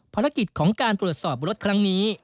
ภารกิจของการตรวจสอบรถครั้งนี้